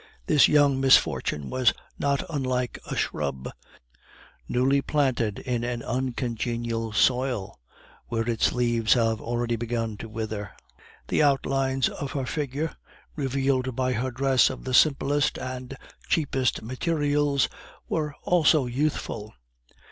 This young misfortune was not unlike a shrub, newly planted in an uncongenial soil, where its leaves have already begun to wither. The outlines of her figure, revealed by her dress of the simplest and cheapest materials, were also youthful.